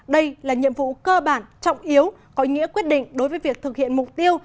đây là nhiệm vụ cơ bản trọng yếu có nghĩa quyết định đối với việc thực hiện mục tiêu